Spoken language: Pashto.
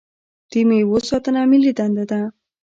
د میوو ساتنه ملي دنده ده.